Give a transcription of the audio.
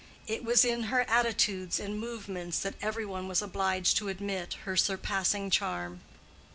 It was in her attitudes and movements that every one was obliged to admit her surpassing charm.